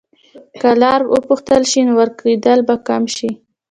که لاره وپوښتل شي، نو ورکېدل به کم شي.